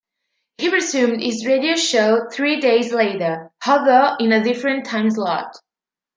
He resumed his radio show three days later, although in a different time slot.